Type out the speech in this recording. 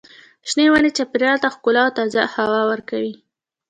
شنې ونې چاپېریال ته ښکلا او تازه هوا ورکوي.